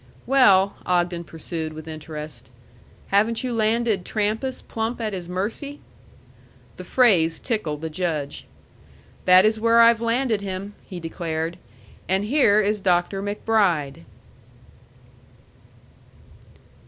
"Well," Ogden pursued with interest, "haven't you landed Trampas plump at his mercy?" The phrase tickled the Judge. "That is where I've landed him!" he declared. "And here is Dr. MacBride."